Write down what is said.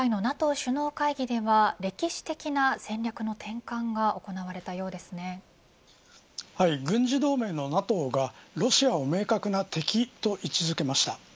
今回のＮＡＴＯ首脳会議では歴史的な戦略の転換が軍事同盟のＮＡＴＯがロシアを明確な敵と位置付けました。